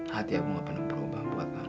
hati aku gak pernah berubah buat kamu